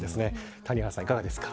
谷原さん、いかがですか。